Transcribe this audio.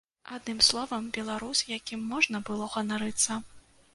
Адным словам, беларус, якім можна было ганарыцца.